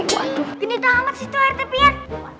waduh gini tamat situ rt pian